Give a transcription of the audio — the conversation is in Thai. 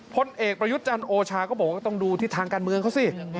พลเอกประยุทธ์จันทร์โอชาก็บอกว่าต้องดูทิศทางการเมืองเขาสิ